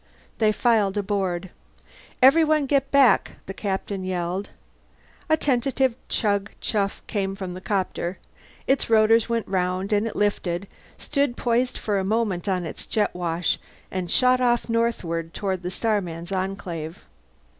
They filed aboard. "Everyone get back," the Captain yelled. A tentative chugg chuff came from the copter; its rotors went round and it lifted, stood poised for a moment on its jetwash, and shot off northward toward the Starmen's Enclave.